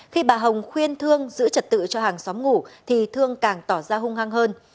khi bà hồng khuyên thương giữ trật tự cho hàng xóm ngủ thì thương càng tỏ ra hung hăng hơn